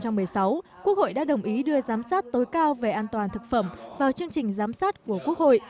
năm hai nghìn một mươi sáu quốc hội đã đồng ý đưa giám sát tối cao về an toàn thực phẩm vào chương trình giám sát của quốc hội